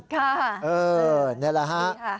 ค่ะนี่ค่ะนี่ค่ะนี่ค่ะนี่ค่ะ